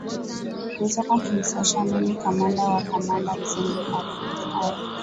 kutoka kinshasa mimi kamanda wa kamanda mzembe rfi